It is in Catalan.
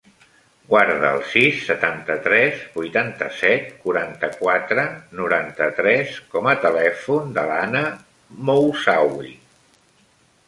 Guarda el sis, setanta-tres, vuitanta-set, quaranta-quatre, noranta-tres com a telèfon de l'Ana Moussaoui.